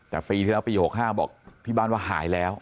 แต่ปีที่แล้วปี๖๕บอกที่บ้านว่าหายแล้ว